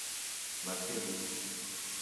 Ma chérie.